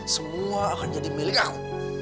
semua akan jadi milik aku